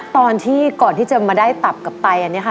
อ๋อตอนที่ก่อนที่จะมาได้ตับกับไต